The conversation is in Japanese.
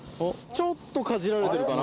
ちょっとかじられてるかな？